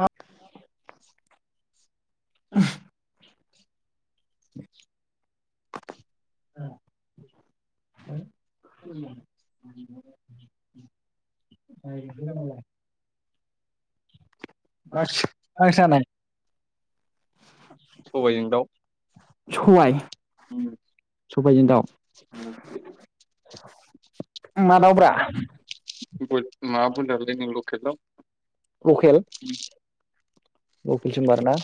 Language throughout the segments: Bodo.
मा ओ [unintelligible] गैया नायनोबो गोनां‌ जागोन। मारसि मा ओंख्रि जानाय? सबायजों दाउ बा सबाय उम सबायजों दाउ उम बारावटा मादावब्रा? बोद मा बुन्दालै नों [unintelligible] लखेल दाव लकेल [unintelligible] उम लकेलसो होनबा आरोना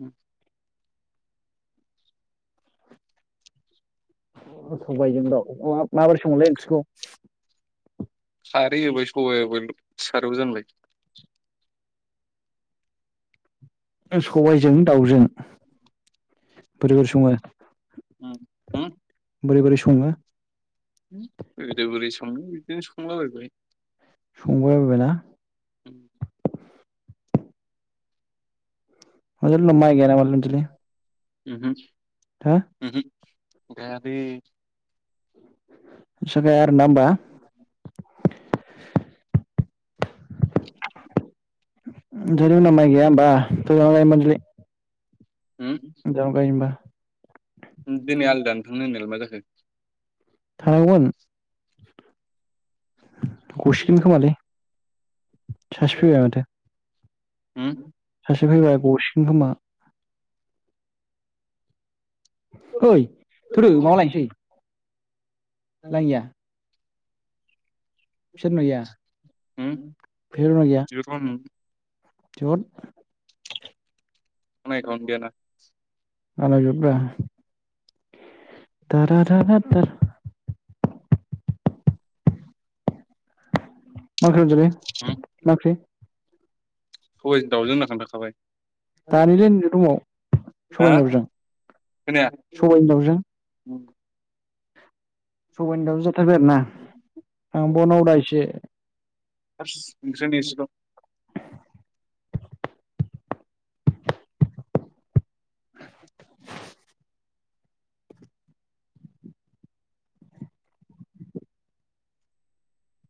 उम अ सबायजों दाव अ मा माबोरै संङोलै ओंख्रिखौ? खारै होबाय सबाइ होबाय सारायाव जानबाय। [inaudible] ओ सबायजों दाउजों बोरै बोरै संङो? अ बोरै बोरै सङो? उम बेबायदि बोरै संङो ओ इदिनो संला बायबाय। सं बायबाय ना अनजालु माय गाया नामालै नोंसोरनि उमहो उमहो गायाखै। नोंसा गाया आरोना ओमबा? [unintelligible] [unintelligible] माय गाया ओमबा जानाव गाय ओनबा उम दिनै आलि दाननो थांनो होननायालाय मा जाखो? हो थानांगौमोन गसिगोन खोमालै सासे फैबाय माथो सासे फैबाय बस। गोमा ओइ थौदो माबा लायनोसै [unintelligible] बिसोर नुयिया [inaudible] बिहद [unintelligible] बानायजोब ब्रा [unintelligible] [unintelligible] सबायजों दाउजों होनना खोन्थाखाबाय दानिलै नैबे दमाव हा सबाइनि दाउजों खोनाया सबाइनि दाउजों सबायाइनि दावजों जाथारबाय आरो ना आंबोनाव दा इसे फार्स [unintelligible]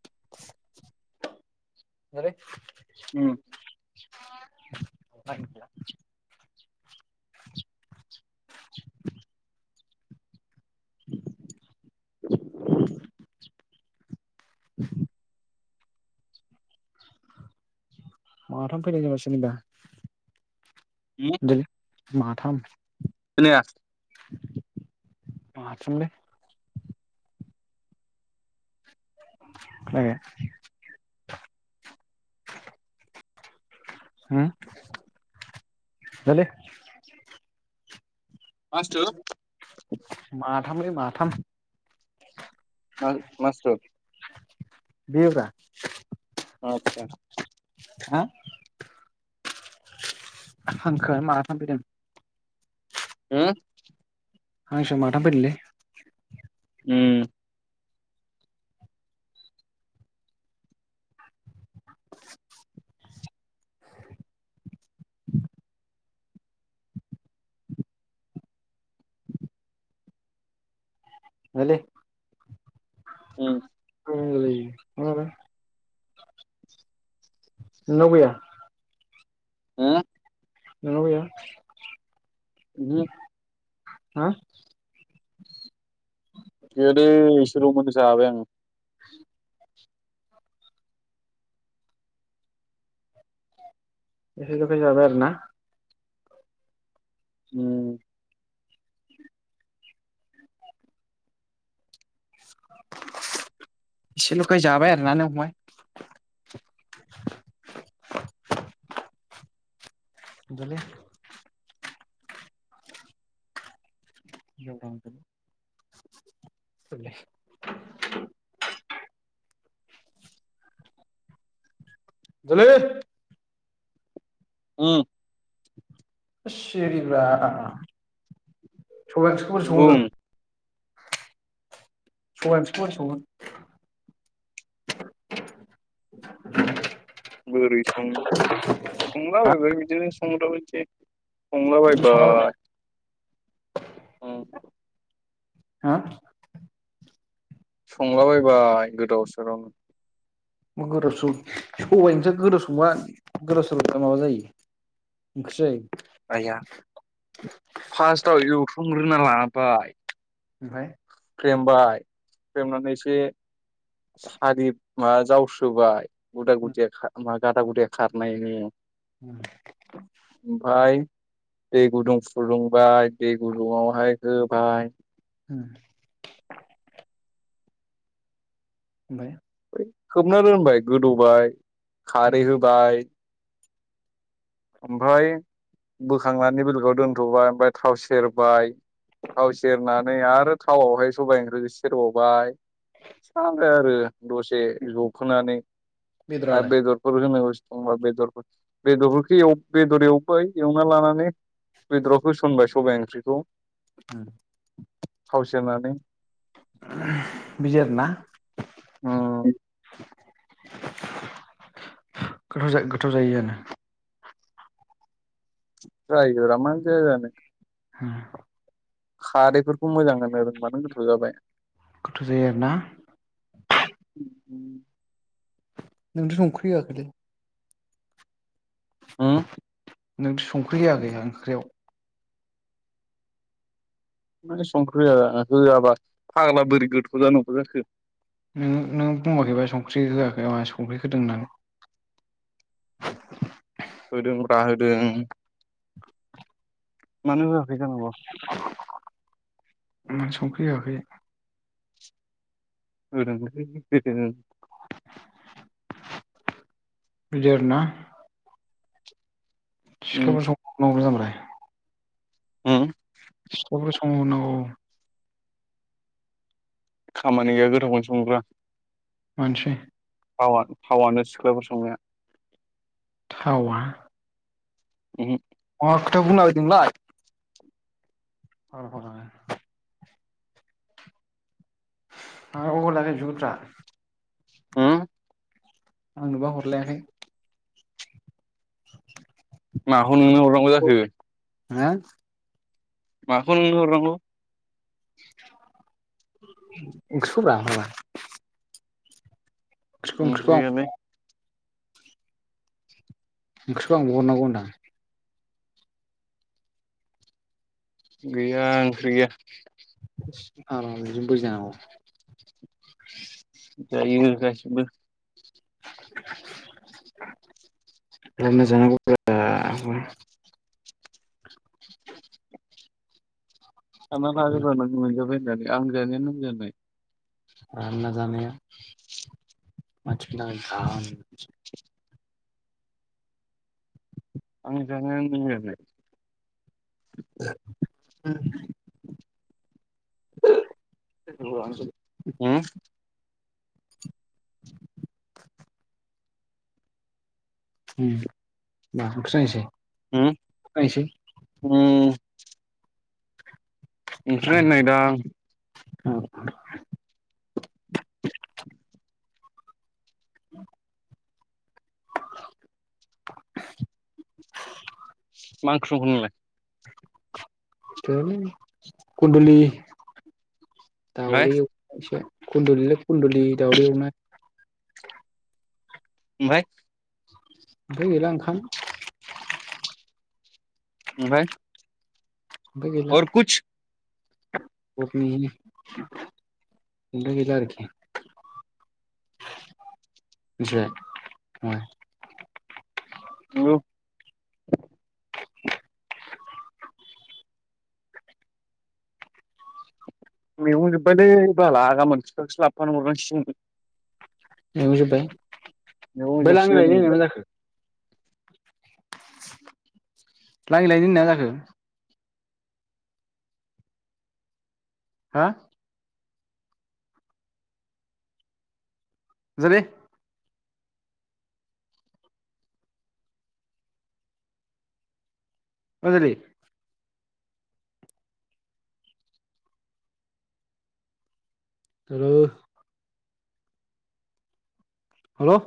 [unintelligible] उम [inaudible] [inaudible] माथाम फैनाय जोंहा [unintelligible] [unintelligible] माथाम खोनाया माथाम ले [inaudible] मा बुस्थु थामलै माथाम मा मा बुस्थु बियो ब्रा आतसा हा हांखोआ माथाम फैदों ओ हांसो माथाम फैदोंलै ओम [unintelligible] उम, [inaudible] [unintelligible] नोंनाव गैया ओ नोनाव गैया [unintelligible] हा गैयादै एसेलमोन जाबाय आं। [inaudible] एसेलखाय जाबाय आरो ना? उम एसेल'खाय जाबाय आरोना नों फंबाय। देलै। [unintelligible] जाले उम सिरिब्रा सबाइ ओंख्रिखौ बोरै बुं संङो? सबाइ ओंख्रिखौ बोरै संङो? बोरै संङो संलाबायबाय बिदिनो संग्राबादि। संला बिदि सङा ब्रा बायबायाय। हा संलाबायबाय गोदाव सोरोरावनो। मा गोदाव सोराव सबाइ ओंख्रिया गोदाव संबा गोदाव सोराव संबा माबा जायो ओंख्रि जायो। आइया फार्स्टआव एवथुमग्रोना लाबाय ओमफाय हुक्रेमबाय हुक्रेमनानै एसे सारि माबा जावसोबाय। गुदा गुदिया खा मा गादा गुदाया खारनायनि। उम ओफाय दै गुदुं फुदुंबाय दै गुदुुंवहाय होबाय।। उम ओमफाय? खोबना दोनबाय गोदौबाय। खारै ओमफ्राय होबाय ओमफ्राय बोखांनानै बेलगआव दोनथ'बाय ओमफ्राय थाव सेरबाय थाव सेरनानै आरो थावआवहाय सबाय ओंख्रिखौ सेरबावबाय फिसानो आरो। दसे जबोहोनानै आरो बेदरालाय बेदरफोर होनांगौ दंबा बेदरफोर बेदर ओंख्रियाव बेदर एवबाय एवना लानानै बेदराव होसनबाय सबाय ओंख्रिखौ। उम थाव सेरनानै बिदिआरोना। उम गोथाव जा-गोथाव जायोआरोनो जायो रा मानो जाया जानो। उम खारैफोरखौ मोजां होनो रोंबानो गोथाव जाबाय गोथाव' जायो आरोना उम नोंथ' संख्रि होआखैलै हो नोंथ' संख्रै होआखै ओंख्रियाव मा संख्रिया होआबा फाग्ला बोरै गोथौ जानांगौ जाखो नोङो नों बुंबाखैबा संख्रि होआखै मा संख्रि होदों होननानै होदों रा होदों मानोबा [unintelligible] [unintelligible] होदों [unintelligible] [unintelligible] उम सिख्लाफोर संहरनांगौ [unintelligible] [unintelligible] [unintelligible] [unintelligible] खामानि गैया गोथावखौनो संनो रोङा मनसै फाव फावानो सिख्लाफोर संनाया थावा [unintelligible] मा खोथा बुंलाबायदों [unintelligible] [unintelligible] [unintelligible] होम आंनोबा हरलायाखै [unintelligible] माखौ नोंनो हरनांगौ जाखो हो माखौ नोंनो हरनांगौ [unintelligible] ओंख्रियालाय [unintelligible] ओंख्रिखौ आंनोबो हरनांगौ होनदां गैया ओंख्रि गैया [unintelligible] [unintelligible] जायो गासैबो [unintelligible] [unintelligible] [unintelligible] रानना जानाया [unintelligible] आं जानाया नों जानाय [unintelligible] उम [inaudible] [inaudible] उम उम [unintelligible] [unintelligible] ओमफाय नै दा [inaudible] [inaudible] [inaudible] [inaudible] मां ओंख्रि संखो नोंलाय? गैयालै खनदुलि। [inaudible] दावदै एवनायसो। खुन्दुलि ल खुन्दुलि दावदै एवना ओमफाय। ओमफ्राय गैला ओंखाम। ओमफ्राय। अर कुछ? [unintelligible] ओमफाय गैला आरोखि [inaudible] मिथिबाय? नंगौ। [inaudible] मैगं जोब्बायलै बाला गामोन [unintelligible] खौसो लाबोफानो हरनांसिगोन। मैगं जोबबाय? [unintelligible] मैगं जोबसिगोन मा जाखो? लाय लायनो होननाया जाखो। हा? [unintelligible] अ जुरि। हेलु। हालौ।